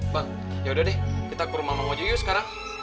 bang yaudah deh kita ke rumah mama juga yuk sekarang